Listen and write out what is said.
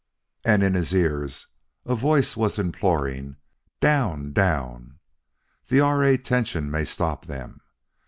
And, in his ears, a voice was imploring: "Down! down! The R. A. tension may stop them!...